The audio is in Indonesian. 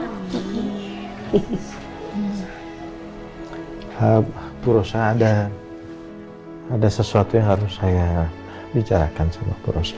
hap hap kurosa ada ada sesuatu yang harus saya bicarakan sama kurosa